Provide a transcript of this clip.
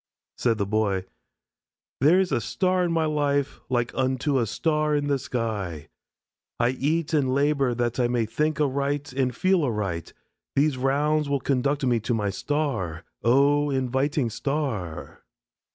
Said the Boy: "There is a star in my life like unto a star in the sky. I eat and labor that I may think aright and feel aright. These rounds will conduct me to my star. Oh, inviting star!"